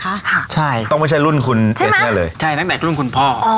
ค่ะใช่ต้องไม่ใช่รุ่นคุณเอสเนี่ยเลยใช่ตั้งแต่รุ่นคุณพ่อ